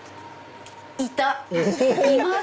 いた！